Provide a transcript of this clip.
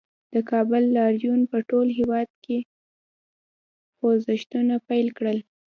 د کابل لاریون په ټول هېواد کې خوځښتونه پیل کړل